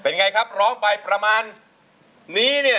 เป็นอย่างไรครับร้องไปประมาณนี้